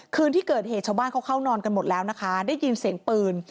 คืนที่เกิดเหตุชาวบ้านเขาเข้านอนกันหมดแล้วนะคะได้ยินเสียงปืน